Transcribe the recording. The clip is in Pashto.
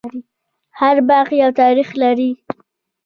هر باغ یو تاریخ لري.